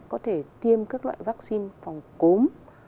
có thể tiêm các loại vaccine phòng cốm